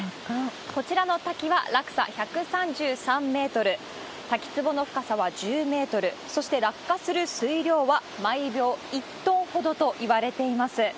こちらの滝は、落差１３４メートル、滝つぼの深さは１０メートル、そして落下する水量は毎秒１トンほどといわれています。